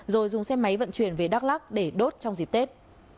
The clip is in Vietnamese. rồi dùng xe máy vận chuyển về đắk lắc để đốt trong dịp tết